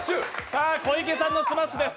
さあ、小池さんのスマッシュです。